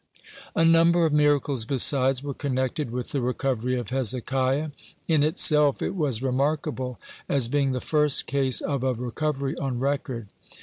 (79) A number of miracles besides were connected with the recovery of Hezekiah. In itself it was remarkable, as being the first case of a recovery on record.